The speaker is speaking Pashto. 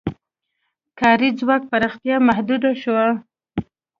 کاري ځواک پراختیا محدوده شوه.